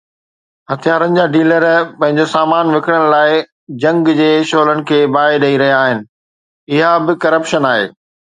هٿيارن جا ڊيلر پنهنجو سامان وڪڻڻ لاءِ جنگ جي شعلن کي باهه ڏئي رهيا آهن، اها به ڪرپشن آهي.